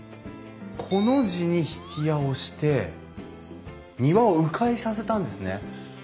コの字に曳家をして庭をう回させたんですね。